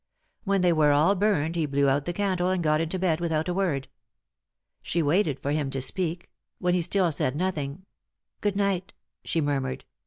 When they were all burned he blew out the candle and got into bed without a word. She waited for him to speak; when he still said nothing, " Good night," she murmured.